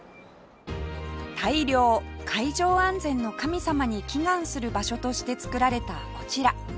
大漁海上安全の神様に祈願する場所として造られたこちら